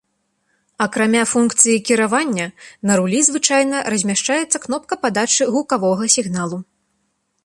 Акрамя функцыі кіравання, на рулі звычайна размяшчаецца кнопка падачы гукавога сігналу.